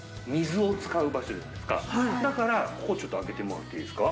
だからここちょっと開けてもらっていいですか？